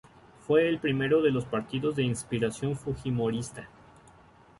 Fue el primero de los partidos de inspiración fujimorista.